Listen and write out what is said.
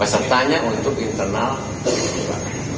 pesertanya untuk internal terbuka